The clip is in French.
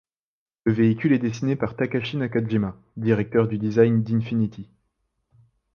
Le véhicule est dessiné par Takashi Nakajima, directeur du design d'Infiniti.